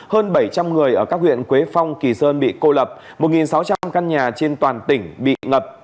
hơn bảy trăm linh người ở các huyện quế phong kỳ sơn bị cô lập một sáu trăm linh căn nhà trên toàn tỉnh bị ngập